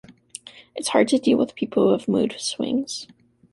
It’s hard to deal with people who have mood swings.